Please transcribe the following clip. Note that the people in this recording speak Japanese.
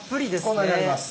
こんなにあります